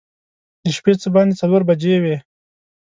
د شپې څه باندې څلور بجې وې.